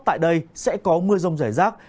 tại đây sẽ có mưa rông rải rác